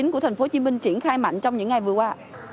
của tp hcm triển khai mạnh trong những ngày vừa qua